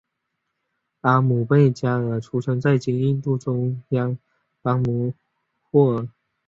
阿姆倍伽尔出生在今印度中央邦姆霍沃。